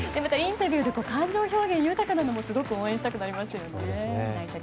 インタビューで感情表現豊かなのもすごく応援したくなりますね。